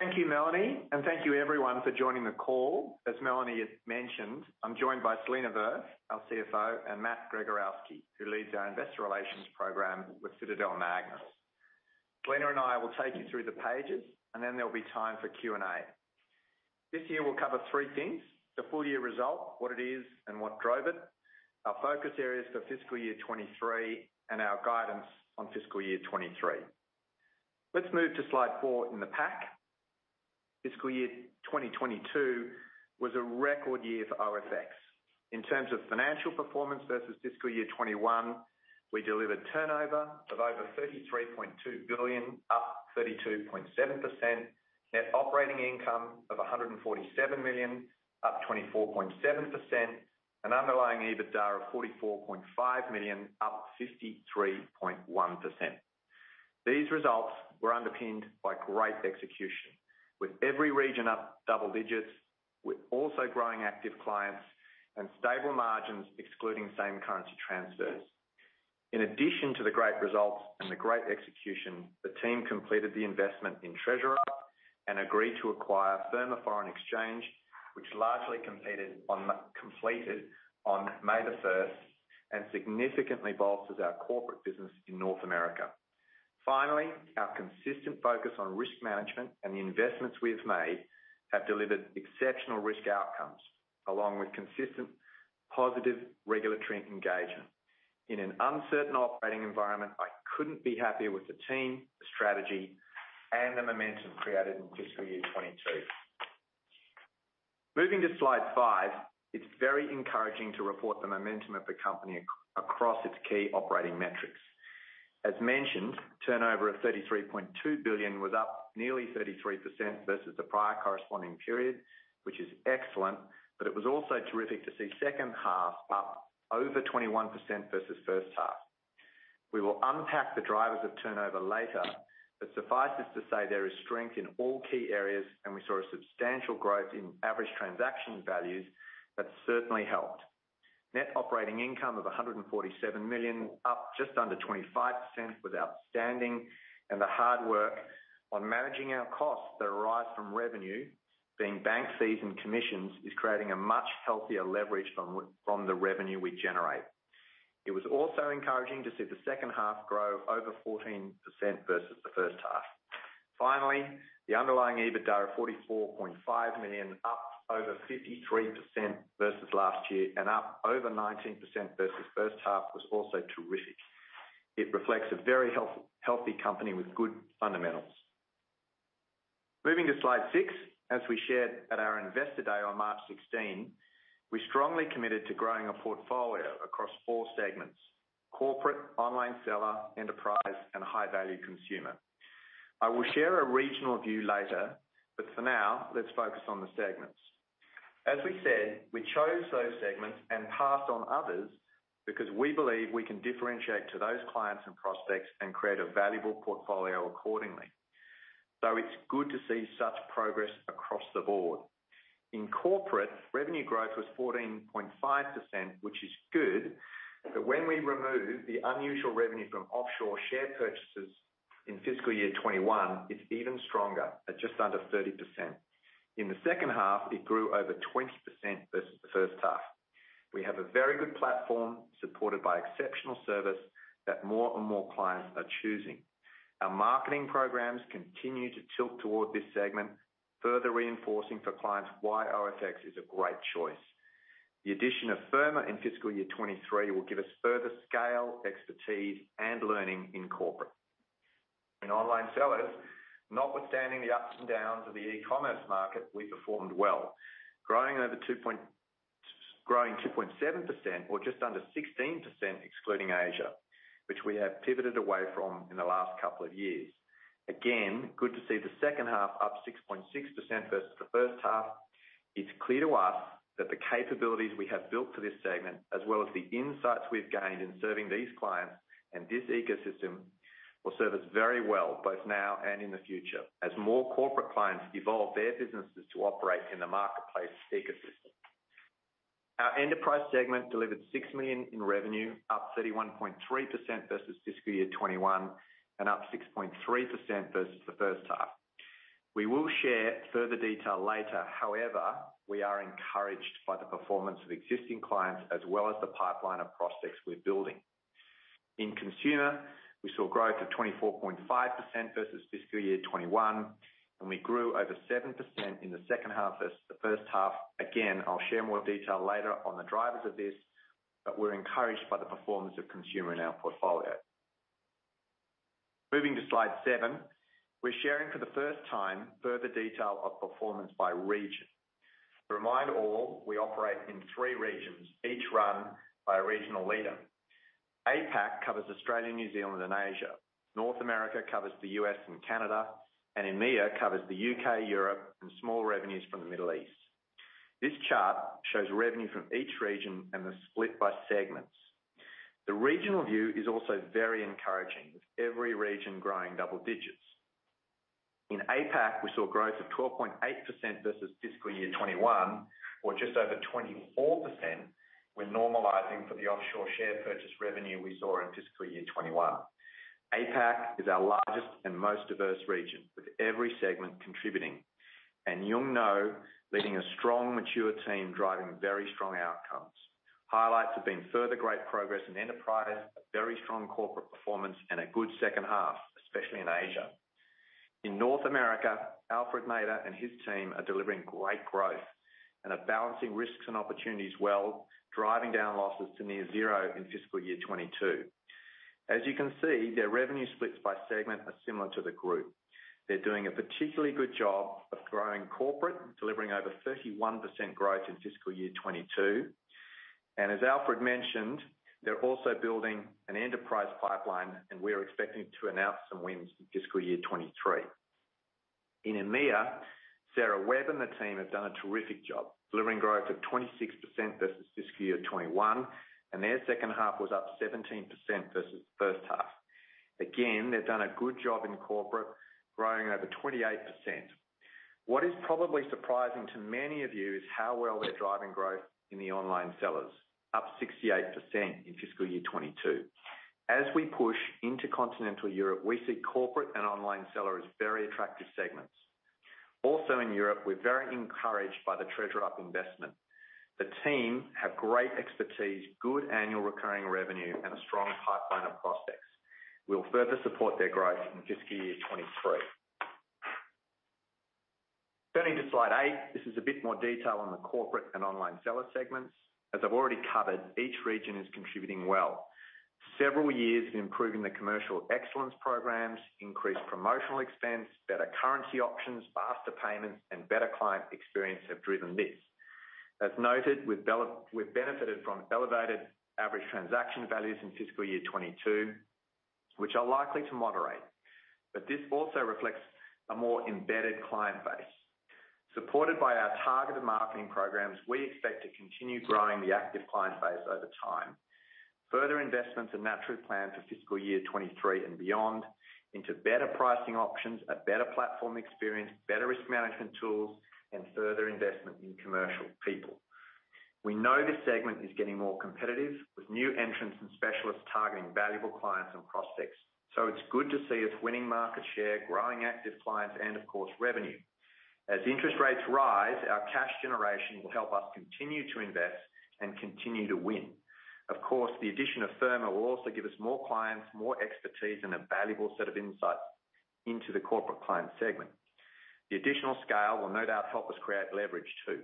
Thank you, Melanie, and thank you everyone for joining the call. As Melanie has mentioned, I'm joined by Selena Verth, our CFO, and Matthew Gregorowski, who leads our investor relations program with Citadel-MAGNUS. Selena and I will take you through the pages, and then there'll be time for Q&A. This year we'll cover three things. The full year result, what it is and what drove it, our focus areas for fiscal year 2023, and our guidance on fiscal year 2023. Let's move to slide four in the pack. Fiscal year 2022 was a record year for OFX. In terms of financial performance versus fiscal year 2021, we delivered turnover of over 33.2 billion, up 32.7%. Net operating income of 147 million, up 24.7%. Underlying EBITDA of 44.5 million, up 53.1%. These results were underpinned by great execution. With every region up double digits. We're also growing active clients and stable margins excluding same-currency transfers. In addition to the great results and the great execution, the team completed the investment in TreasurUp and agreed to acquire Firma Foreign Exchange, which completed on May 1, and significantly bolsters our corporate business in North America. Finally, our consistent focus on risk management and the investments we have made have delivered exceptional risk outcomes, along with consistent positive regulatory engagement. In an uncertain operating environment, I couldn't be happier with the team, the strategy, and the momentum created in fiscal year 2022. Moving to slide five. It's very encouraging to report the momentum of the company across its key operating metrics. As mentioned, turnover of 33.2 billion was up nearly 33% versus the prior corresponding period, which is excellent, but it was also terrific to see second half up over 21% versus first half. We will unpack the drivers of turnover later, but suffice it to say there is strength in all key areas, and we saw a substantial growth in average transaction values that certainly helped. Net operating income of 147 million, up just under 25% was outstanding, and the hard work on managing our costs that arise from revenue, being bank fees and commissions, is creating a much healthier leverage from the revenue we generate. It was also encouraging to see the second half grow over 14% versus the first half. Finally, the underlying EBITDA of 44.5 million, up over 53% versus last year and up over 19% versus first half was also terrific. It reflects a very healthy company with good fundamentals. Moving to slide six. As we shared at our Investor Day on March 16, we strongly committed to growing a portfolio across four segments: corporate, online seller, enterprise, and high-value consumer. I will share a regional view later, but for now, let's focus on the segments. As we said, we chose those segments and passed on others because we believe we can differentiate to those clients and prospects and create a valuable portfolio accordingly. It's good to see such progress across the board. In corporate, revenue growth was 14.5%, which is good. When we remove the unusual revenue from offshore share purchases in fiscal year 2021, it's even stronger at just under 30%. In the second half, it grew over 20% versus the first half. We have a very good platform supported by exceptional service that more and more clients are choosing. Our marketing programs continue to tilt toward this segment, further reinforcing for clients why OFX is a great choice. The addition of Firma in fiscal year 2023 will give us further scale, expertise, and learning in corporate. In online sellers, notwithstanding the ups and downs of the e-commerce market, we performed well. Growing 2.7% or just under 16% excluding Asia, which we have pivoted away from in the last couple of years. Again, good to see the second half up 6.6% versus the first half. It's clear to us that the capabilities we have built for this segment, as well as the insights we've gained in serving these clients and this ecosystem, will serve us very well, both now and in the future, as more corporate clients evolve their businesses to operate in the marketplace ecosystem. Our enterprise segment delivered 6 million in revenue, up 31.3% versus fiscal year 2021 and up 6.3% versus the first half. We will share further detail later. However, we are encouraged by the performance of existing clients as well as the pipeline of prospects we're building. In consumer, we saw growth of 24.5% versus fiscal year 2021, and we grew over 7% in the second half versus the first half. I'll share more detail later on the drivers of this, but we're encouraged by the performance of consumer in our portfolio. Moving to slide seven. We're sharing for the first time further detail of performance by region. To remind all, we operate in three regions, each run by a regional leader. APAC covers Australia, New Zealand and Asia. North America covers the U.S. and Canada, and EMEA covers the U.K., Europe and small revenues from the Middle East. This chart shows revenue from each region and the split by segments. The regional view is also very encouraging, with every region growing double digits. In APAC, we saw growth of 12.8% versus fiscal year 2021 or just over 24%. We're normalizing for the offshore share purchase revenue we saw in fiscal year 2021. APAC is our largest and most diverse region, with every segment contributing. Yung Ngo leading a strong, mature team, driving very strong outcomes. Highlights have been further great progress in enterprise, a very strong corporate performance, and a good second half, especially in Asia. In North America, Alfred Nader and his team are delivering great growth and are balancing risks and opportunities well, driving down losses to near zero in fiscal year 2022. As you can see, their revenue splits by segment are similar to the group. They're doing a particularly good job of growing corporate, delivering over 31% growth in fiscal year 2022. As Alfred mentioned, they're also building an enterprise pipeline, and we're expecting to announce some wins in fiscal year 2023. In EMEA, Sarah Webb and the team have done a terrific job delivering growth of 26% versus fiscal year 2021, and their second half was up 17% versus first half. Again, they've done a good job in corporate, growing over 28%. What is probably surprising to many of you is how well they're driving growth in the online sellers, up 68% in fiscal year 2022. As we push into continental Europe, we see corporate and online seller as very attractive segments. Also in Europe, we're very encouraged by the TreasurUp investment. The team have great expertise, good annual recurring revenue, and a strong pipeline of prospects. We'll further support their growth in fiscal year 2023. Turning to slide eight. This is a bit more detail on the corporate and online seller segments. As I've already covered, each region is contributing well. Several years of improving the commercial excellence programs, increased promotional expense, better currency options, faster payments, and better client experience have driven this. As noted, we've benefited from elevated average transaction values in fiscal year 2022, which are likely to moderate. This also reflects a more embedded client base. Supported by our targeted marketing programs, we expect to continue growing the active client base over time. Further investments are naturally planned for fiscal year 2023 and beyond into better pricing options, a better platform experience, better risk management tools, and further investment in commercial people. We know this segment is getting more competitive, with new entrants and specialists targeting valuable clients and prospects. It's good to see us winning market share, growing active clients, and of course, revenue. As interest rates rise, our cash generation will help us continue to invest and continue to win. Of course, the addition of Firma will also give us more clients, more expertise, and a valuable set of insights into the corporate client segment. The additional scale will no doubt help us create leverage too.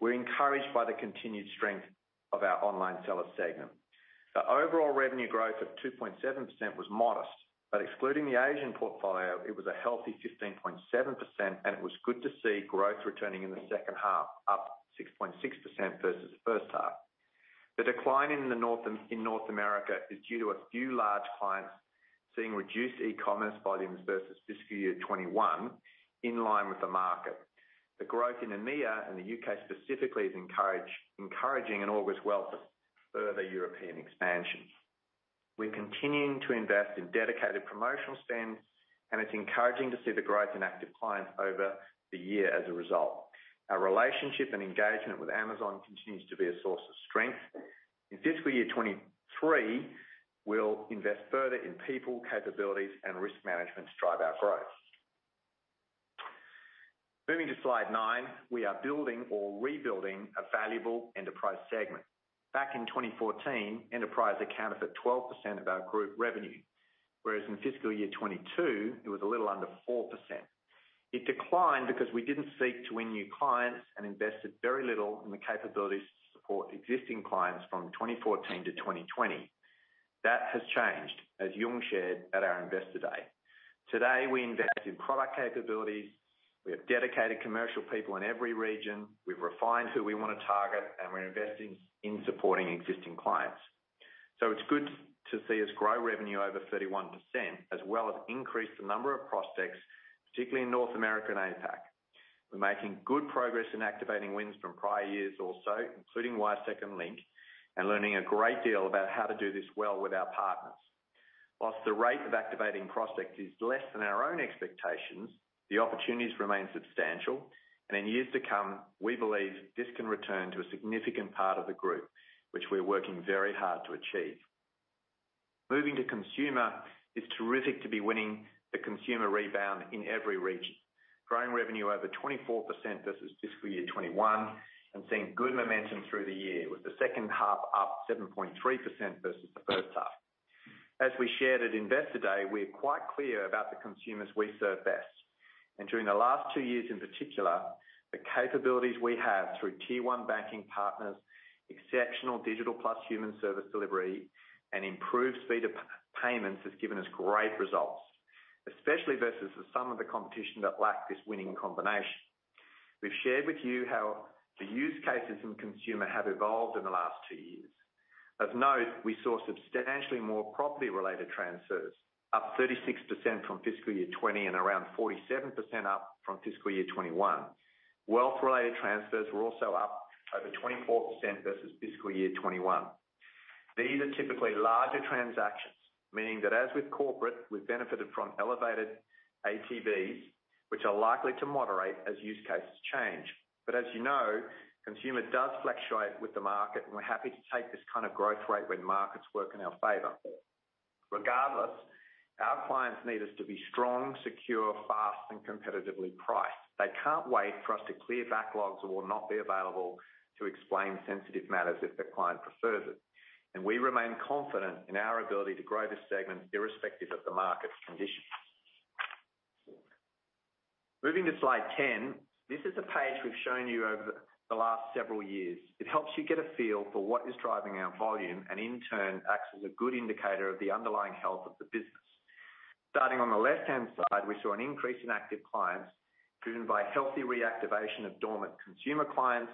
We're encouraged by the continued strength of our online seller segment. The overall revenue growth of 2.7% was modest, but excluding the Asian portfolio, it was a healthy 15.7%, and it was good to see growth returning in the second half, up 6.6% versus first half. The decline in North America is due to a few large clients seeing reduced e-commerce volumes versus fiscal year 2021 in line with the market. The growth in EMEA and the U.K. specifically is encouraging and augur well for further European expansion. We're continuing to invest in dedicated promotional spend, and it's encouraging to see the growth in active clients over the year as a result. Our relationship and engagement with Amazon continues to be a source of strength. In fiscal year 2023, we'll invest further in people, capabilities, and risk management to drive our growth. Moving to slide nine. We are building or rebuilding a valuable enterprise segment. Back in 2014, enterprise accounted for 12% of our group revenue, whereas in fiscal year 2022, it was a little under 4%. It declined because we didn't seek to win new clients and invested very little in the capabilities to support existing clients from 2014-2020. That has changed, as Yung shared at our Investor Day. Today, we invest in product capabilities. We have dedicated commercial people in every region. We've refined who we wanna target, and we're investing in supporting existing clients. It's good to see us grow revenue over 31%, as well as increase the number of prospects, particularly in North America and APAC. We're making good progress in activating wins from prior years also, including WiseTech and Link, and learning a great deal about how to do this well with our partners. While the rate of activating prospects is less than our own expectations, the opportunities remain substantial. In years to come, we believe this can return to a significant part of the group, which we're working very hard to achieve. Moving to consumer. It's terrific to be winning the consumer rebound in every region. Growing revenue over 24% versus fiscal year 2021 and seeing good momentum through the year, with the second half up 7.3% versus the first half. As we shared at Investor Day, we're quite clear about the consumers we serve best. During the last two years in particular, the capabilities we have through tier one banking partners, exceptional digital plus human service delivery, and improved speed of payments has given us great results, especially versus some of the competition that lack this winning combination. We've shared with you how the use cases in consumer have evolved in the last two years. Of note, we saw substantially more property-related transfers, up 36% from fiscal year 2020 and around 47% up from fiscal year 2021. Wealth-related transfers were also up over 24% versus fiscal year 2021. These are typically larger transactions, meaning that as with corporate, we've benefited from elevated ATVs, which are likely to moderate as use cases change. As you know, consumer does fluctuate with the market, and we're happy to take this kind of growth rate when markets work in our favor. Regardless, our clients need us to be strong, secure, fast, and competitively priced. They can't wait for us to clear backlogs or not be available to explain sensitive matters if the client prefers it, and we remain confident in our ability to grow this segment irrespective of the market conditions. Moving to slide 10. This is a page we've shown you over the last several years. It helps you get a feel for what is driving our volume and in turn acts as a good indicator of the underlying health of the business. Starting on the left-hand side, we saw an increase in active clients driven by healthy reactivation of dormant consumer clients,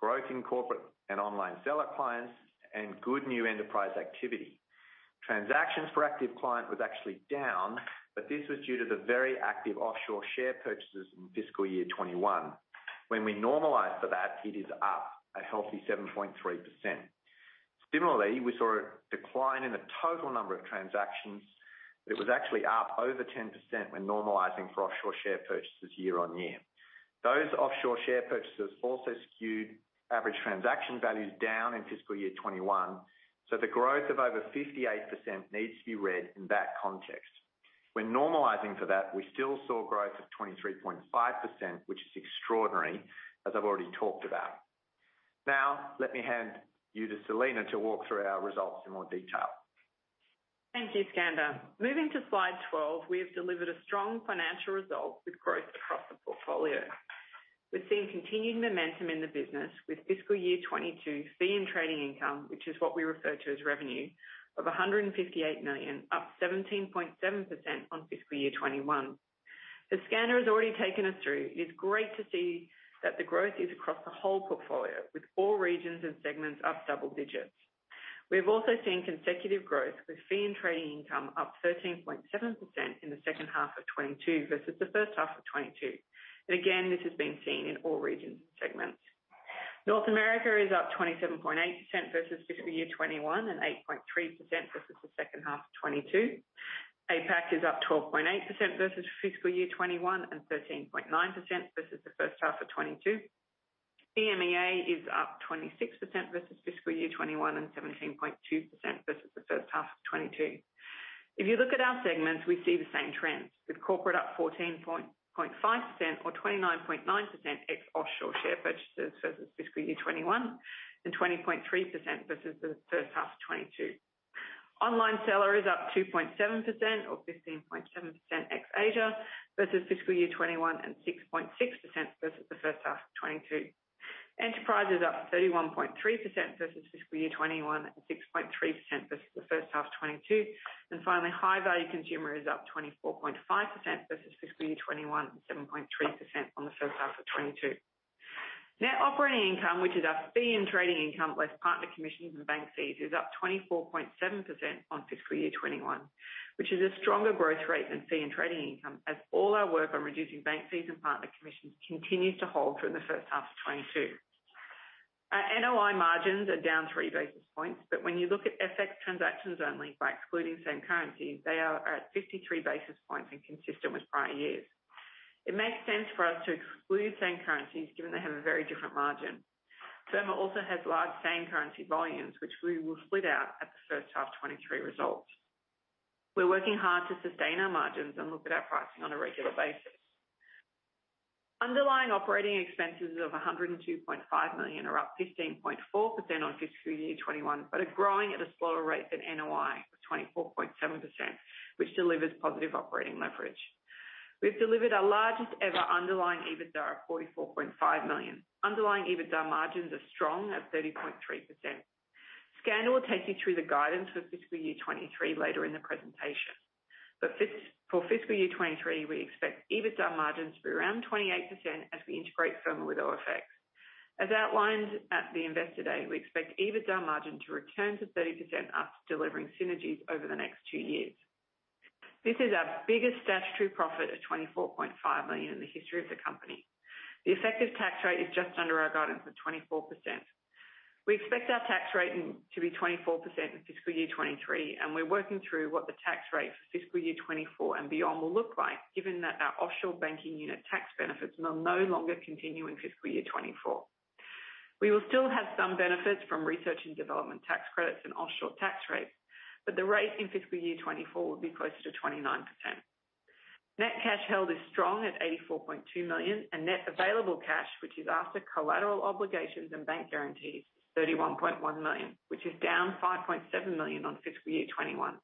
growth in corporate and online seller clients, and good new enterprise activity. Transactions per active client was actually down, but this was due to the very active offshore share purchases in fiscal year 2021. When we normalize for that, it is up a healthy 7.3%. Similarly, we saw a decline in the total number of transactions, but it was actually up over 10% when normalizing for offshore share purchases year-on-year. Those offshore share purchases also skewed average transaction values down in fiscal year 2021. The growth of over 58% needs to be read in that context. When normalizing for that, we still saw growth of 23.5%, which is extraordinary, as I've already talked about. Now, let me hand you to Selena to walk through our results in more detail. Thank you, Skander. Moving to slide 12, we have delivered a strong financial result with growth across the portfolio. We've seen continued momentum in the business with fiscal year 2022 fee and Trading Income, which is what we refer to as revenue of 158 million, up 17.7% on fiscal year 2021. As Skander has already taken us through, it is great to see that the growth is across the whole portfolio, with all regions and segments up double digits. We have also seen consecutive growth with fee and trading income up 13.7% in the second half of 2022 versus the first half of 2022. Again, this has been seen in all regions and segments. North America is up 27.8% versus fiscal year 2021 and 8.3% versus the second half of 2022. APAC is up 12.8% versus fiscal year 2021 and 13.9% versus the first half of 2022. EMEA is up 26% versus fiscal year 2021 and 17.2% versus the first half of 2022. If you look at our segments, we see the same trends, with corporate up 14.5% or 29.9% ex offshore share purchases versus fiscal year 2021 and 20.3% versus the first half of 2022. Online seller is up 2.7% or 15.7% ex Asia versus fiscal year 2021 and 6.6% versus the first half of 2022. Enterprise is up 31.3% versus fiscal year 2021 and 6.3% versus the first half of 2022. Finally, high-value consumer is up 24.5% versus fiscal year 2021 and 7.3% on the first half of 2022. Net operating income, which is our fee and trading income, less partner commissions and bank fees, is up 24.7% on fiscal year 2021, which is a stronger growth rate than fee and trading income as all our work on reducing bank fees and partner commissions continues to hold through the first half of 2022. Our NOI margins are down 3 basis points, but when you look at FX transactions only by excluding same currency, they are at 53 basis points and consistent with prior years. It makes sense for us to exclude same currencies given they have a very different margin. Firma also has large same currency volumes, which we will split out at the first half 2023 results. We're working hard to sustain our margins and look at our pricing on a regular basis. Underlying operating expenses of 102.5 million are up 15.4% on fiscal year 2021, but are growing at a slower rate than NOI of 24.7%, which delivers positive operating leverage. We've delivered our largest ever underlying EBITDA of 44.5 million. Underlying EBITDA margins are strong at 30.3%. Skander will take you through the guidance for fiscal year 2023 later in the presentation. For fiscal year 2023, we expect EBITDA margins to be around 28% as we integrate Firma with OFX. As outlined at the Investor Day, we expect EBITDA margin to return to 30% after delivering synergies over the next two years. This is our biggest statutory profit of 24.5 million in the history of the company. The effective tax rate is just under our guidance of 24%. We expect our tax rate to be 24% in fiscal year 2023, and we're working through what the tax rate for fiscal year 2024 and beyond will look like, given that our offshore banking unit tax benefits will no longer continue in fiscal year 2024. We will still have some benefits from research and development tax credits and offshore tax rates, but the rate in fiscal year 2024 will be closer to 29%. Net cash held is strong at 84.2 million, and net available cash, which is after collateral obligations and bank guarantees, 31.1 million, which is down 5.7 million on fiscal year 2021.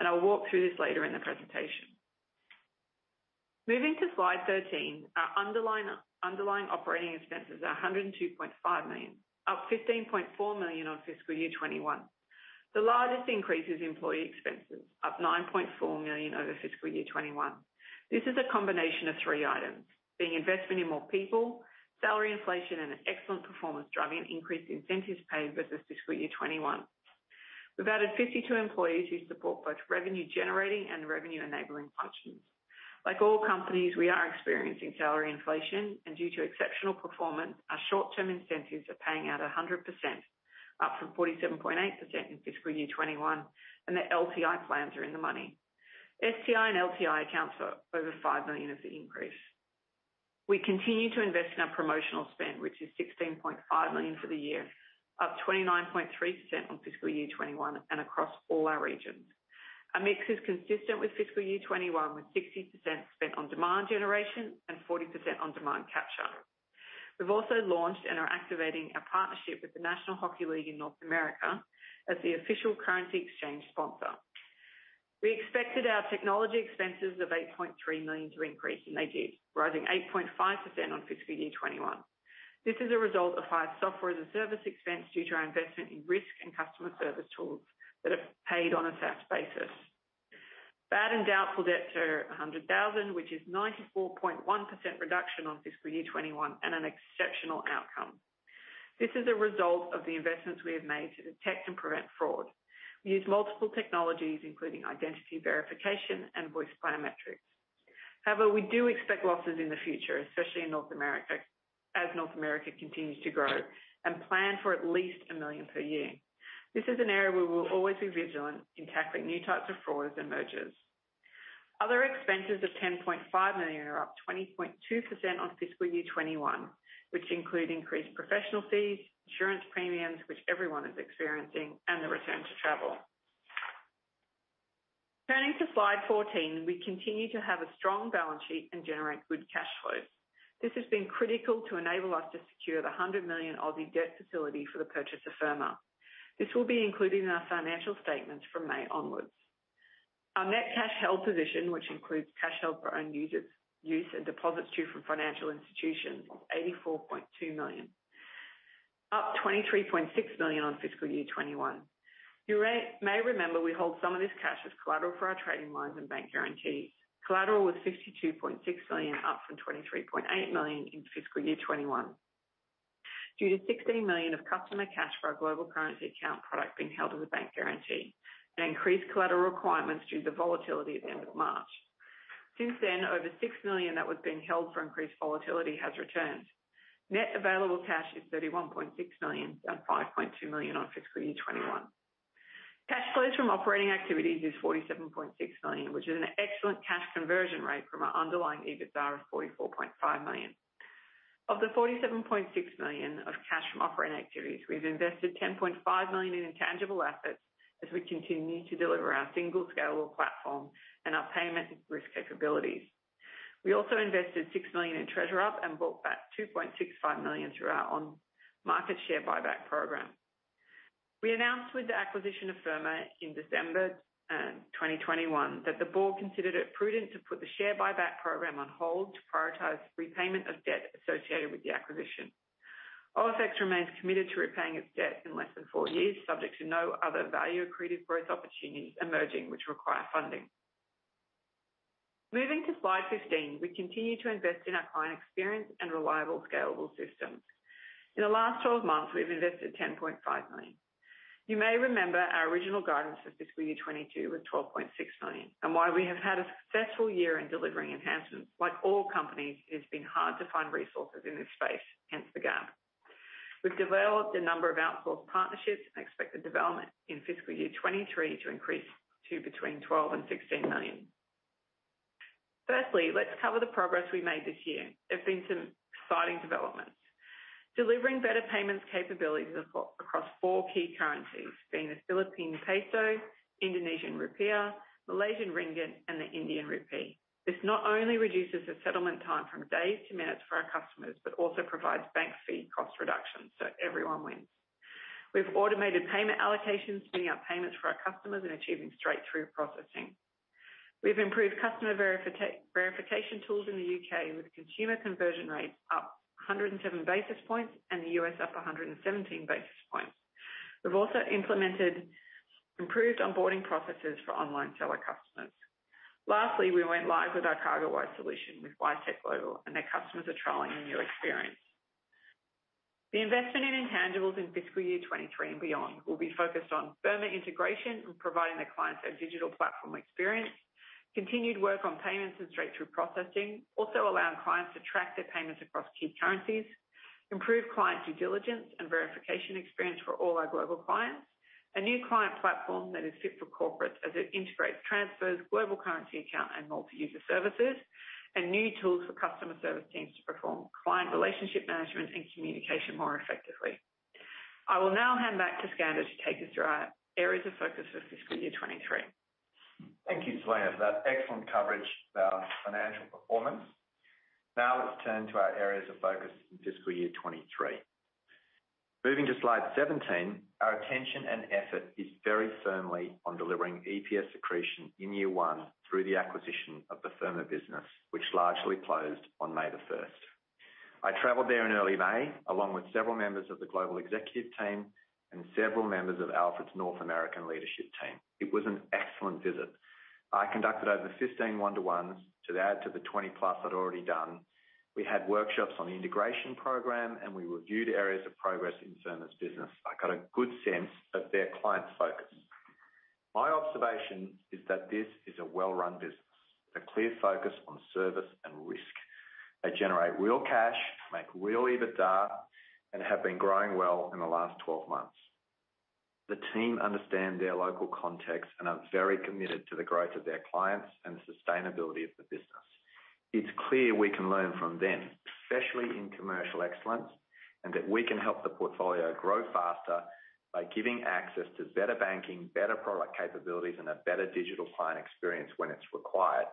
I'll walk through this later in the presentation. Moving to slide 13. Our underlying operating expenses are 102.5 million, up 15.4 million on fiscal year 2021. The largest increase is employee expenses, up 9.4 million over fiscal year 2021. This is a combination of three items, being investment in more people, salary inflation and an excellent performance driving an increase in incentives paid versus fiscal year 2021. We've added 52 employees who support both revenue generating and revenue enabling functions. Like all companies, we are experiencing salary inflation, and due to exceptional performance, our short-term incentives are paying out 100%, up from 47.8% in fiscal year 2021, and the LTI plans are in the money. STI and LTI account for over 5 million of the increase. We continue to invest in our promotional spend, which is 16.5 million for the year, up 29.3% on fiscal year 2021 and across all our regions. Our mix is consistent with fiscal year 2021, with 60% spent on demand generation and 40% on demand capture. We've also launched and are activating a partnership with the National Hockey League in North America as the official currency exchange sponsor. We expected our technology expenses of 8.3 million to increase, and they did, rising 8.5% on fiscal year 2021. This is a result of higher Software as a Service expense due to our investment in risk and customer service tools that are paid on a SaaS basis. Bad and doubtful debts are 100,000, which is 94.1% reduction on fiscal year 2021 and an exceptional outcome. This is a result of the investments we have made to detect and prevent fraud. We use multiple technologies, including identity verification and voice biometrics. However, we do expect losses in the future, especially in North America, as North America continues to grow, and plan for at least 1 million per year. This is an area where we'll always be vigilant in tackling new types of fraud as it emerges. Other expenses of 10.5 million are up 20.2% on fiscal year 2021, which include increased professional fees, insurance premiums, which everyone is experiencing, and the return to travel. Turning to slide 14, we continue to have a strong balance sheet and generate good cash flows. This has been critical to enable us to secure the 100 million debt facility for the purchase of Firma. This will be included in our financial statements from May onwards. Our net cash held position, which includes cash held for own use and deposits from financial institutions, 84.2 million, up 23.6 million on fiscal year 2021. You may remember we hold some of this cash as collateral for our trading lines and bank guarantees. Collateral was 62.6 million, up from 23.8 million in fiscal year 2021. Due to 16 million of customer cash for our Global Currency Account product being held as a bank guarantee and increased collateral requirements due to the volatility at the end of March. Since then, over 6 million that was being held for increased volatility has returned. Net available cash is 31.6 million, down 5.2 million on fiscal year 2021. Cash flows from operating activities is 47.6 million, which is an excellent cash conversion rate from our underlying EBITDA of 44.5 million. Of the 47.6 million of cash from operating activities, we've invested 10.5 million in intangible assets as we continue to deliver our single scalable platform and our payment and risk capabilities. We also invested 6 million in TreasurUp and brought back 2.65 million through our on-market share buyback program. We announced with the acquisition of Firma in December 2021 that the board considered it prudent to put the share buyback program on hold to prioritize repayment of debt associated with the acquisition. OFX remains committed to repaying its debt in less than four years, subject to no other value accretive growth opportunities emerging which require funding. Moving to slide 15, we continue to invest in our client experience and reliable scalable systems. In the last 12 months, we've invested 10.5 million. You may remember our original guidance for fiscal year 2022 was 12.6 million. While we have had a successful year in delivering enhancements, like all companies, it has been hard to find resources in this space, hence the gap. We've developed a number of outsourced partnerships and expect the development in fiscal year 2023 to increase to between 12 million and 16 million. Firstly, let's cover the progress we made this year. There've been some exciting developments. Delivering better payments capabilities across four key currencies, being the Philippine peso, Indonesian rupiah, Malaysian ringgit, and the Indian rupee. This not only reduces the settlement time from days to minutes for our customers, but also provides bank fee cost reductions, so everyone wins. We've automated payment allocations, sending out payments for our customers and achieving straight-through processing. We've improved customer verification tools in the U.K., with consumer conversion rates up 107 basis points and the U.S. up 117 basis points. We've also implemented improved onboarding processes for online seller customers. Lastly, we went live with our CargoWise solution with WiseTech Global, and their customers are trialing the new experience. The investment in intangibles in fiscal year 2023 and beyond will be focused on Firma integration and providing their clients a digital platform experience, continued work on payments and straight-through processing, also allowing clients to track their payments across key currencies, improve client due diligence and verification experience for all our global clients. A new client platform that is fit for corporates as it integrates transfers, Global Currency Account, and multi-user services, and new tools for customer service teams to perform client relationship management and communication more effectively. I will now hand back to Skander to take us through our areas of focus for fiscal year 2023. Thank you, Selena, for that excellent coverage of our financial performance. Now let's turn to our areas of focus in fiscal year 2023. Moving to slide 17, our attention and effort is very firmly on delivering EPS accretion in year one through the acquisition of the Firma business, which largely closed on May 1. I traveled there in early May, along with several members of the global executive team and several members of Alfred's North American leadership team. It was an excellent visit. I conducted over 15 one-to-ones to add to the 20+ I'd already done. We had workshops on the integration program, and we reviewed areas of progress in Firma's business. I got a good sense of their client focus. My observation is that this is a well-run business, a clear focus on service and risk. They generate real cash, make real EBITDA, and have been growing well in the last 12 months. The team understand their local context and are very committed to the growth of their clients and the sustainability of the business. It's clear we can learn from them, especially in commercial excellence, and that we can help the portfolio grow faster by giving access to better banking, better product capabilities, and a better digital client experience when it's required.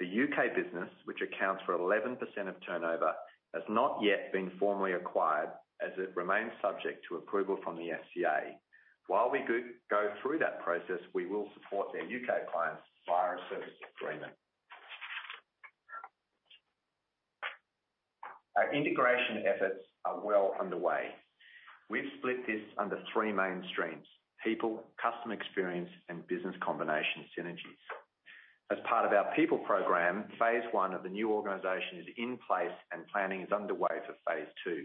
The U.K. business, which accounts for 11% of turnover, has not yet been formally acquired as it remains subject to approval from the FCA. While we go through that process, we will support their U.K. clients via a service agreement. Our integration efforts are well underway. We've split this under three main streams: people, customer experience, and business combination synergies. As part of our people program, phase one of the new organization is in place and planning is underway for phase two.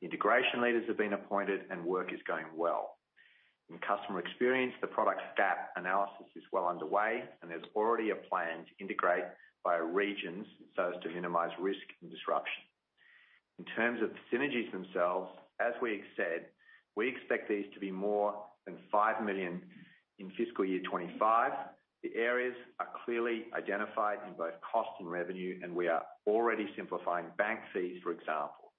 Integration leaders have been appointed and work is going well. In customer experience, the product gap analysis is well underway, and there's already a plan to integrate via regions so as to minimize risk and disruption. In terms of synergies themselves, as we have said, we expect these to be more than 5 million in fiscal year 2025. The areas are clearly identified in both cost and revenue, and we are already simplifying bank fees, for example.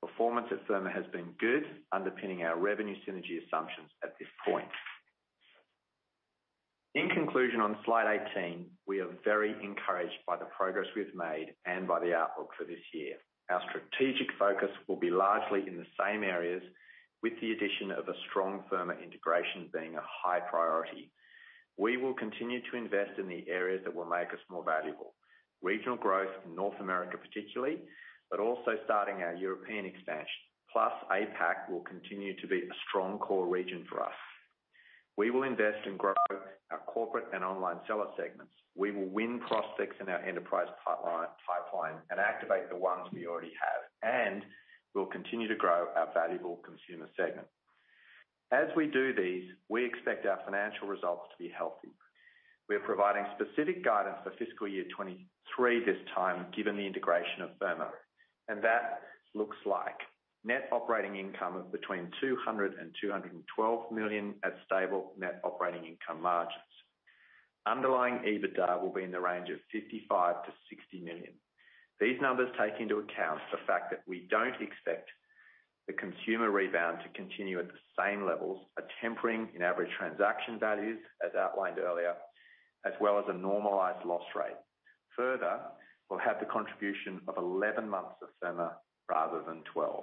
Performance at Firma has been good, underpinning our revenue synergy assumptions at this point. In conclusion, on slide 18, we are very encouraged by the progress we've made and by the outlook for this year. Our strategic focus will be largely in the same areas, with the addition of a strong Firma integration being a high priority. We will continue to invest in the areas that will make us more valuable. Regional growth in North America particularly, but also starting our European expansion. Plus APAC will continue to be a strong core region for us. We will invest and grow our corporate and online seller segments. We will win prospects in our enterprise pipeline and activate the ones we already have. We'll continue to grow our valuable consumer segment. As we do these, we expect our financial results to be healthy. We are providing specific guidance for fiscal year 2023 this time, given the integration of Firma. That looks like net operating income of between 200 million and 212 million at stable net operating income margins. Underlying EBITDA will be in the range of 55 million-60 million. These numbers take into account the fact that we don't expect the consumer rebound to continue at the same levels, a tempering in average transaction values, as outlined earlier, as well as a normalized loss rate. Further, we'll have the contribution of 11 months of Firma rather than 12.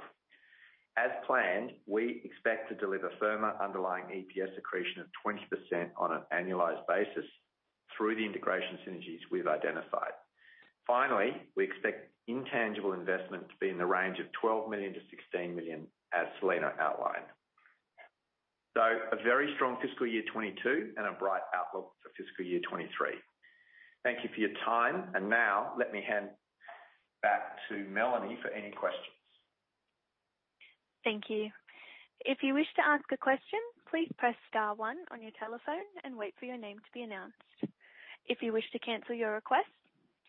As planned, we expect to deliver Firma underlying EPS accretion of 20% on an annualized basis through the integration synergies we've identified. Finally, we expect intangible investment to be in the range of 12 million-16 million, as Selena outlined. A very strong fiscal year 2022 and a bright outlook for fiscal year 2023. Thank you for your time. Now let me hand back to Melanie for any questions. Thank you. If you wish to ask a question, please press star one on your telephone and wait for your name to be announced. If you wish to cancel your request,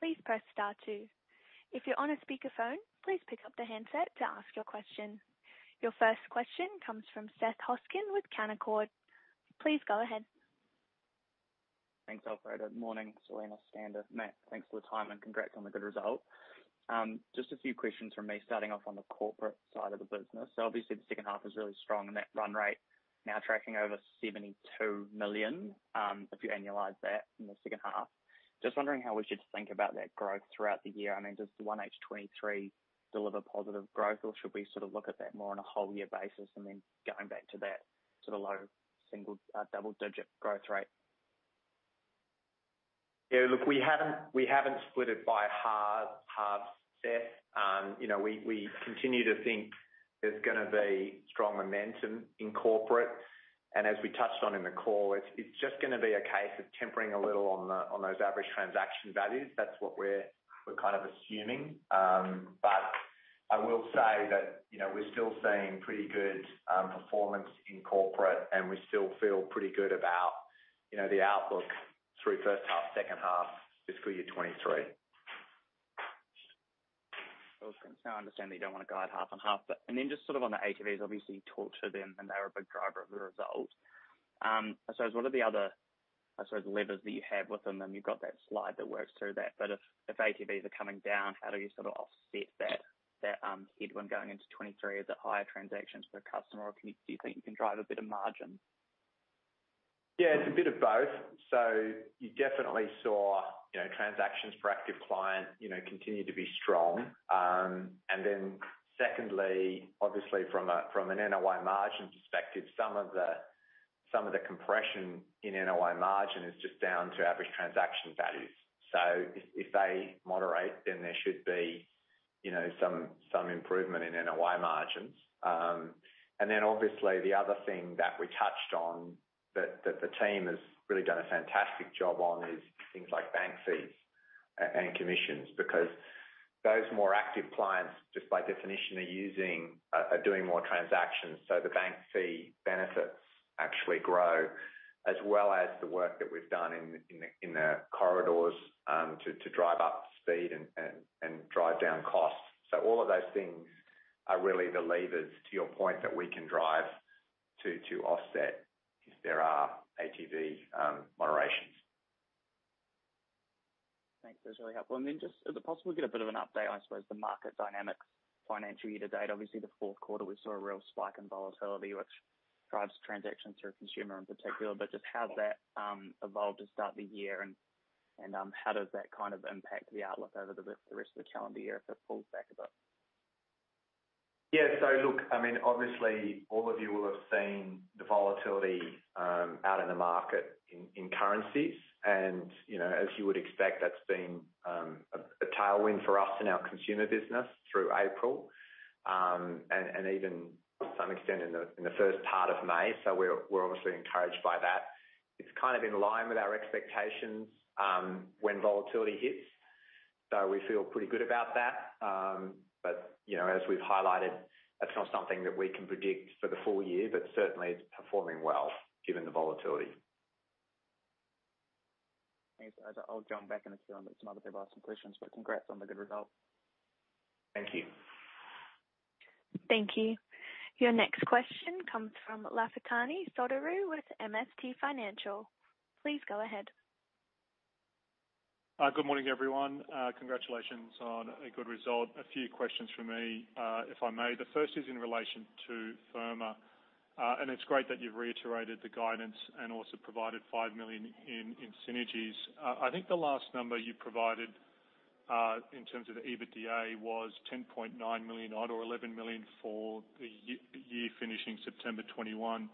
please press star two. If you're on a speakerphone, please pick up the handset to ask your question. Your first question comes from Seth Hoskin with Canaccord. Please go ahead. Thanks, Operator. Morning, Selena, Skander, Matt. Thanks for the time and congrats on the good result. Just a few questions from me starting off on the corporate side of the business. Obviously, the second half is really strong and that run rate now tracking over 72 million, if you annualize that in the second half. Just wondering how we should think about that growth throughout the year. I mean, does the 1H 2023 deliver positive growth, or should we sort of look at that more on a whole year basis and then going back to that sort of low single, double-digit growth rate? Yeah, look, we haven't split it by half, Seth. You know, we continue to think there's gonna be strong momentum in corporate. As we touched on in the call, it's just gonna be a case of tempering a little on those average transaction values. That's what we're kind of assuming. I will say that, you know, we're still seeing pretty good performance in corporate, and we still feel pretty good about, you know, the outlook through first half, second half, fiscal year 2023. Cool. I understand that you don't wanna guide 50/50. Then just sort of on the ATVs, obviously you talked to them, and they're a big driver of the result. I suppose what are the other levers that you have with them, and you've got that slide that works through that. If ATVs are coming down, how do you sort of offset that headwind going into 2023? Is it higher transactions per customer, or do you think you can drive a bit of margin? Yeah, it's a bit of both. You definitely saw, you know, transactions per active client, you know, continue to be strong. Secondly, obviously from an NOI margin perspective, some of the compression in NOI margin is just down to average transaction values. If they moderate, then there should be, you know, some improvement in NOI margins. Obviously the other thing that we touched on that the team has really done a fantastic job on is things like bank fees and commissions, because those more active clients, just by definition, are doing more transactions, so the bank fee benefits actually grow, as well as the work that we've done in the corridors to drive up speed and drive down costs. All of those things are really the levers, to your point, that we can drive to offset if there are ATV moderations. Thanks. That's really helpful. Just is it possible to get a bit of an update on, I suppose, the market dynamics financial year to date? Obviously, the fourth quarter, we saw a real spike in volatility, which drives transactions through consumer in particular. Just how has that evolved to start the year and how does that kind of impact the outlook over the rest of the calendar year if it pulls back a bit? Yeah. Look, I mean, obviously all of you will have seen the volatility out in the market in currencies. You know, as you would expect, that's been a tailwind for us in our consumer business through April and even to some extent in the first part of May. We're obviously encouraged by that. It's kind of in line with our expectations when volatility hits, so we feel pretty good about that. You know, as we've highlighted, that's not something that we can predict for the full year. Certainly it's performing well, given the volatility. Thanks. I'll jump back in this queue on some other questions. Congrats on the good result. Thank you. Thank you. Your next question comes from Lafitani Sotiriou with MST Financial. Please go ahead. Good morning, everyone. Congratulations on a good result. A few questions from me, if I may. The first is in relation to Firma. It's great that you've reiterated the guidance and also provided 5 million in synergies. I think the last number you provided, in terms of the EBITDA was 10.9 million or 11 million for the year finishing September 2021.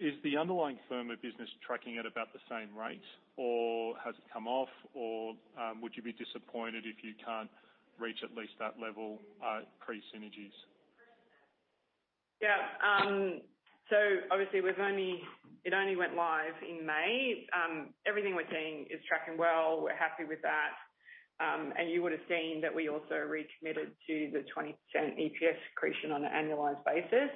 Is the underlying Firma business tracking at about the same rate or has it come off or would you be disappointed if you can't reach at least that level pre-synergies? Yeah. It only went live in May. Everything we're seeing is tracking well. We're happy with that. You would've seen that we also recommitted to the 0.20 EPS accretion on an annualized basis.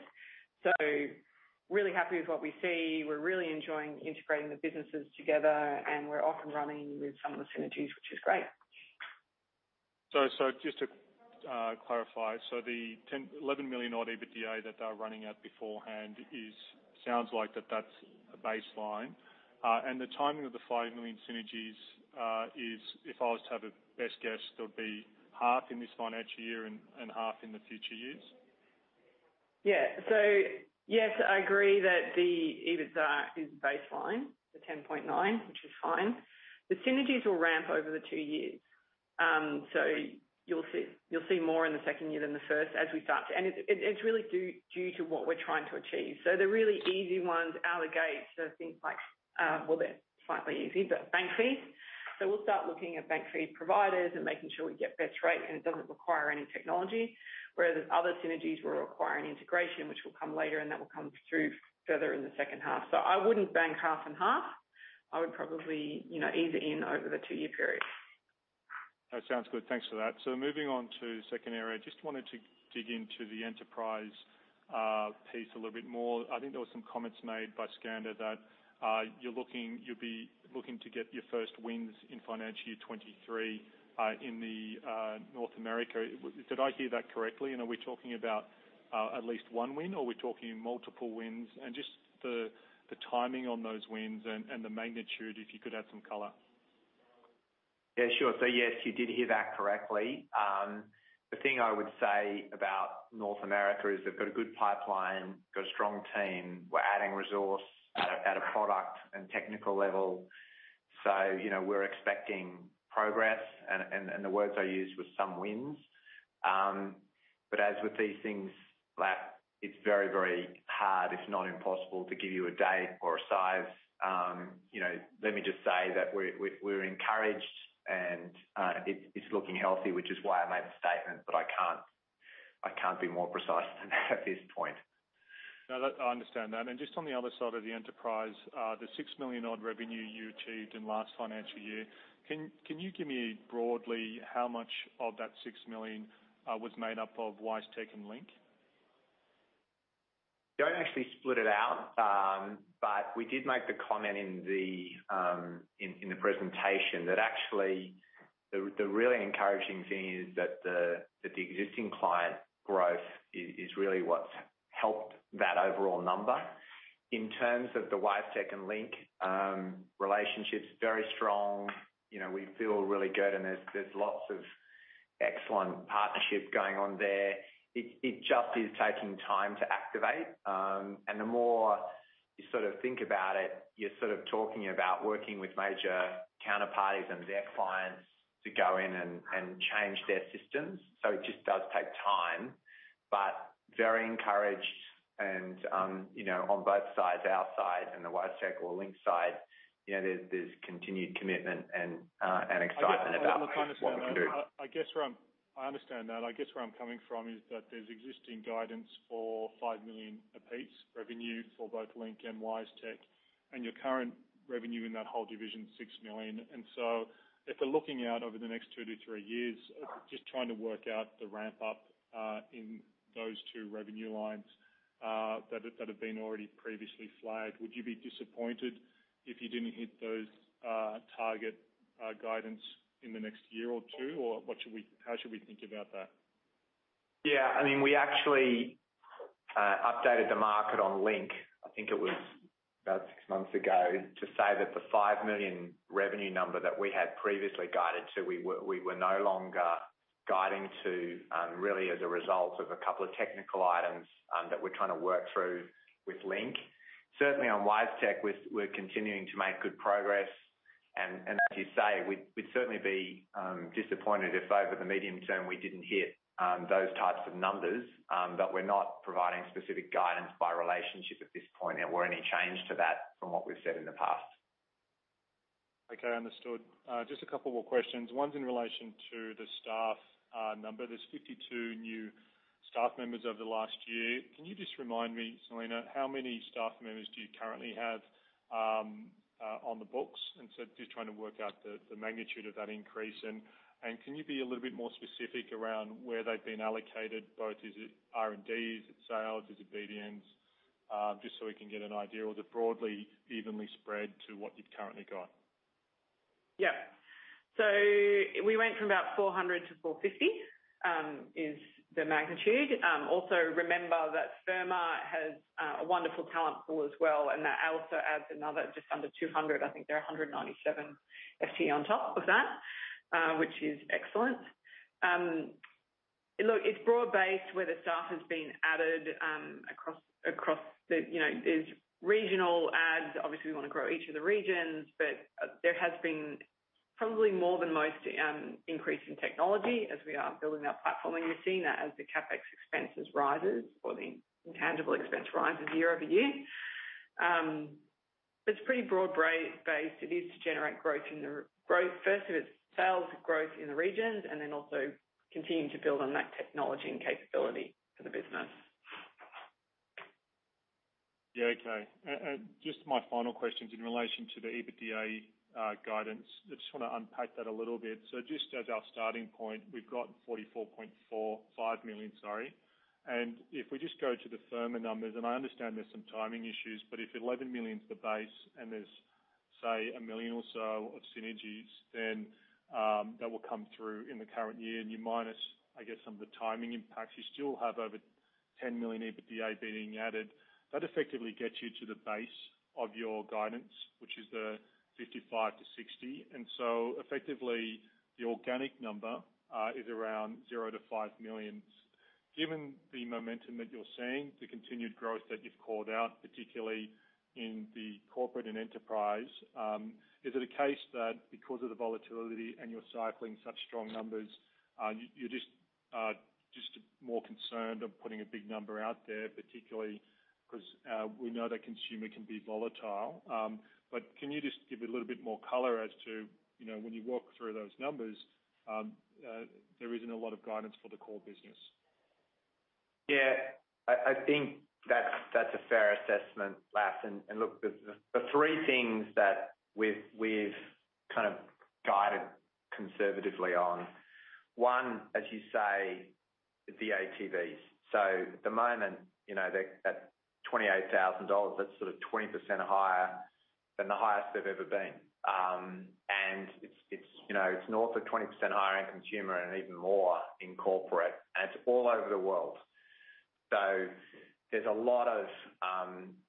Really happy with what we see. We're really enjoying integrating the businesses together, and we're off and running with some of the synergies, which is great. Just to clarify. The 10-11 million-odd EBITDA that they were running at beforehand sounds like that's a baseline. The timing of the 5 million synergies is, if I was to have a best guess, they'll be half in this financial year and half in the future years? Yeah. Yes, I agree that the EBITDA is baseline, the 10.9, which is fine. The synergies will ramp over the two years. You'll see more in the second year than the first. It's really due to what we're trying to achieve. The really easy ones out the gate are things like, well, they're slightly easy, but bank fees. We'll start looking at bank fee providers and making sure we get better rates, and it doesn't require any technology. Whereas other synergies will require an integration which will come later, and that will come through further in the second half. I wouldn't bank 50/50. I would probably, you know, ease it in over the two-year period. That sounds good. Thanks for that. Moving on to second area. Just wanted to dig into the enterprise piece a little bit more. I think there were some comments made by Skander that you're looking to get your first wins in financial year 2023 in the North America. Did I hear that correctly? Are we talking about at least one win or are we talking multiple wins? Just the timing on those wins and the magnitude, if you could add some color. Yeah, sure. Yes, you did hear that correctly. The thing I would say about North America is they've got a good pipeline, got a strong team. We're adding resource at a product and technical level. You know, we're expecting progress and the words I used were some wins. But as with these things, Laf, it's very hard, if not impossible, to give you a date or a size. You know, let me just say that we're encouraged and it's looking healthy, which is why I made the statement, but I can't be more precise than that at this point. No, that I understand that. Just on the other side of the enterprise, the 6 million odd revenue you achieved in last financial year, can you give me broadly how much of that 6 million was made up of WiseTech and Link? Don't actually split it out. We did make the comment in the presentation that actually the really encouraging thing is that the existing client growth is really what's helped that overall number. In terms of the WiseTech and Link relationship is very strong. You know, we feel really good and there's lots of excellent partnerships going on there. It just is taking time to activate. The more you sort of think about it, you're sort of talking about working with major counterparties and their clients to go in and change their systems. It just does take time. Very encouraged. You know, on both sides, our side and the WiseTech or Link side, you know, there's continued commitment and excitement about what we can do. I understand that. I guess where I'm coming from is that there's existing guidance for 5 million apiece revenue for both Link and WiseTech, and your current revenue in that whole division, 6 million. If we're looking out over the next two-three years, just trying to work out the ramp up in those two revenue lines that have been already previously flagged. Would you be disappointed if you didn't hit those target guidance in the next year or two? Or how should we think about that? Yeah, I mean, we actually updated the market on Link, I think it was about six months ago, to say that the 5 million revenue number that we had previously guided to, we were no longer guiding to, really as a result of a couple of technical items that we're trying to work through with Link. Certainly on WiseTech, we're continuing to make good progress. As you say, we'd certainly be disappointed if over the medium term, we didn't hit those types of numbers. We're not providing specific guidance by relationship at this point, or any change to that from what we've said in the past. Okay, understood. Just a couple more questions. One's in relation to the staff number. There's 52 new staff members over the last year. Can you just remind me, Selena, how many staff members do you currently have on the books? Just trying to work out the magnitude of that increase. Can you be a little bit more specific around where they've been allocated, both is it R&D, is it sales, is it BDMs? Just so we can get an idea. Or is it broadly evenly spread to what you've currently got? Yeah. We went from about 400-450 is the magnitude. Also remember that Firma has a wonderful talent pool as well, and that also adds another just under 200. I think they're 197 FTE on top of that, which is excellent. Look, it's broad-based where the staff has been added across the, you know, there's regional adds. Obviously, we want to grow each of the regions. There has been probably more than most increase in technology as we are building our platform. You're seeing that as the CapEx expenses rises or the intangible expense rises year-over-year. It's pretty broad-based. It is to generate growth in the growth. First, it is sales growth in the regions, and then also continuing to build on that technology and capability for the business. Yeah. Okay. Just my final question is in relation to the EBITDA guidance. I just wanna unpack that a little bit. Just as our starting point, we've got 45 million, sorry. If we just go to the Firma numbers, and I understand there's some timing issues, but if 11 million is the base, and there's, say, 1 million or so of synergies, then that will come through in the current year. If you minus, I guess, some of the timing impacts, you still have over 10 million EBITDA being added. That effectively gets you to the base of your guidance, which is the 55 million-60 million. Effectively, the organic number is around zero-five million. Given the momentum that you're seeing, the continued growth that you've called out, particularly in the corporate and enterprise, is it a case that because of the volatility and you're cycling such strong numbers, you're just more concerned of putting a big number out there, particularly 'cause we know that consumer can be volatile. But can you just give a little bit more color as to, you know, when you walk through those numbers, there isn't a lot of guidance for the core business. Yeah. I think that's a fair assessment, Laf. Look, the three things that we've kind of guided conservatively on, one, as you say, the ATVs. At the moment, you know, they're at 28,000 dollars. That's sort of 20% higher than the highest they've ever been. It's, you know, it's north of 20% higher in consumer and even more in corporate, and it's all over the world. There's a lot of,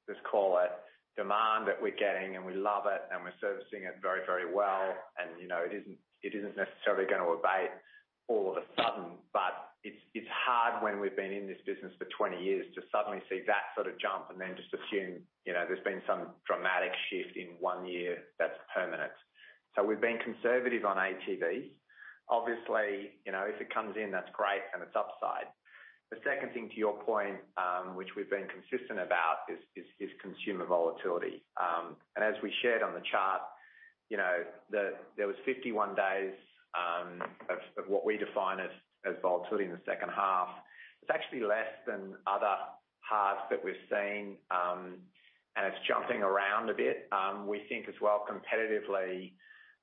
let's call it, demand that we're getting, and we love it, and we're servicing it very, very well. You know, it isn't necessarily gonna abate all of a sudden. It's hard when we've been in this business for 20 years to suddenly see that sort of jump and then just assume, you know, there's been some dramatic shift in one year that's permanent. We've been conservative on ATVs. Obviously, you know, if it comes in, that's great and it's upside. The second thing to your point, which we've been consistent about is consumer volatility. As we shared on the chart, you know, there was 51 days of what we define as volatility in the second half. It's actually less than other halves that we've seen, and it's jumping around a bit. We think as well competitively,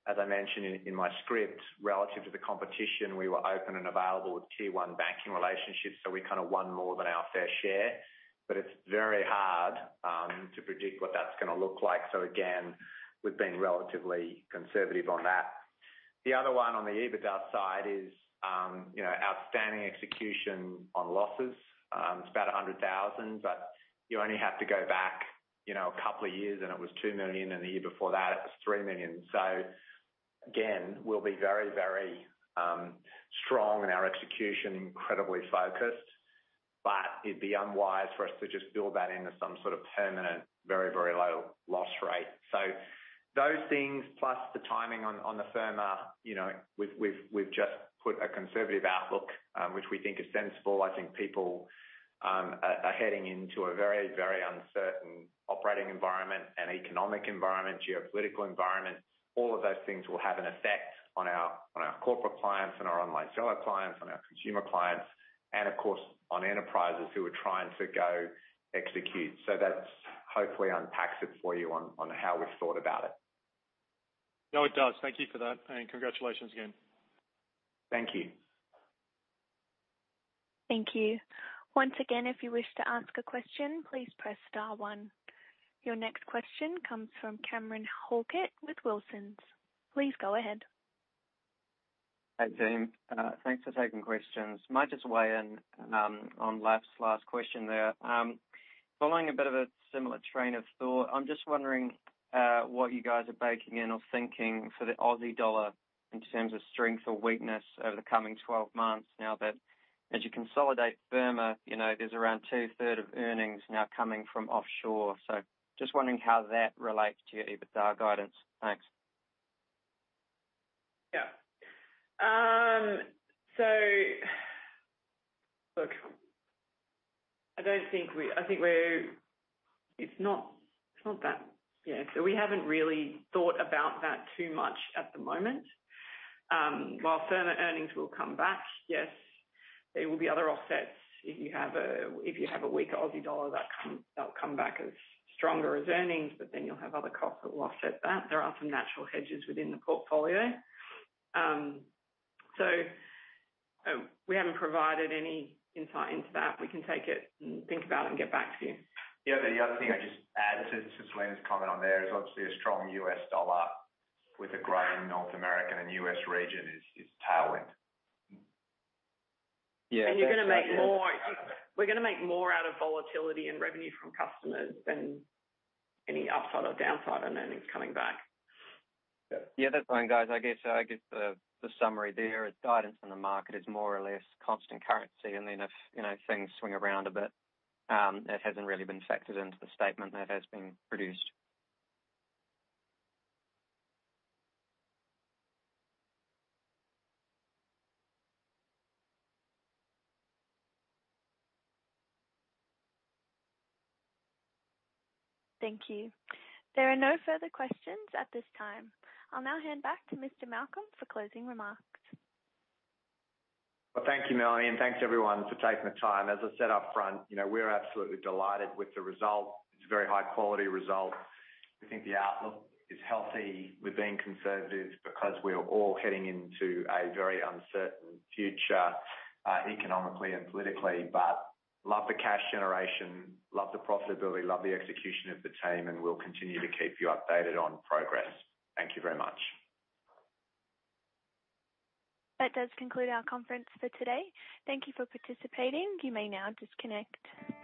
as I mentioned in my script, relative to the competition, we were open and available with tier one banking relationships, so we kind a won more than our fair share. It's very hard to predict what that's gonna look like. We've been relatively conservative on that. The other one on the EBITDA side is, you know, outstanding execution on losses. It's about 100,000, but you only have to go back, you know, a couple of years, and it was 2 million, and the year before that, it was 3 million. We'll be very, very strong in our execution, incredibly focused. It'd be unwise for us to just build that into some sort of permanent, very, very low loss rate. Those things plus the timing on the Firma, you know, we've just put a conservative outlook, which we think is sensible. I think people are heading into a very, very uncertain operating environment and economic environment, geopolitical environment. All of those things will have an effect on our corporate clients and our online seller clients, on our consumer clients, and of course, on enterprises who are trying to go execute. That's hopefully unpacks it for you on how we've thought about it. No, it does. Thank you for that. Congratulations again. Thank you. Thank you. Once again, if you wish to ask a question, please press star one. Your next question comes from Cameron Halkett with Wilsons. Please go ahead. Hey, team. Thanks for taking questions. Might just weigh in on Laf's last question there. Following a bit of a similar train of thought, I'm just wondering what you guys are baking in or thinking for the Aussie dollar in terms of strength or weakness over the coming 12 months now that, as you consolidate Firma, you know, there's around two-thirds of earnings now coming from offshore. Just wondering how that relates to your EBITDA guidance. Thanks. Yeah. I think we're. It's not that. Yeah. We haven't really thought about that too much at the moment. While Firma earnings will come back, yes, there will be other offsets. If you have a weaker Aussie dollar, that'll come back as stronger earnings, but you'll have other costs that will offset that. There are some natural hedges within the portfolio. We haven't provided any insight into that. We can take it and think about it and get back to you. Yeah. The other thing I'd just add to Selena's comment on there is obviously a strong U.S. dollar with a growing North American and U.S. region is tailwind. Yeah. You're gonna make more out of volatility and revenue from customers than any upside or downside on earnings coming back. Yeah. That's fine, guys. I guess the summary there is guidance in the market is more or less constant currency, and then if, you know, things swing around a bit, it hasn't really been factored into the statement that has been produced. Thank you. There are no further questions at this time. I'll now hand back to Mr. Malcolm for closing remarks. Well, thank you, Melanie, and thanks everyone for taking the time. As I said up front, you know, we're absolutely delighted with the result. It's a very high quality result. We think the outlook is healthy. We're being conservative because we're all heading into a very uncertain future, economically and politically. Love the cash generation, love the profitability, love the execution of the team, and we'll continue to keep you updated on progress. Thank you very much. That does conclude our conference for today. Thank you for participating. You may now disconnect.